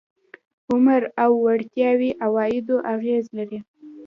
عمر او وړتیاوې عوایدو اغېز لري.